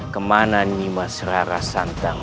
kemana nimas rara santang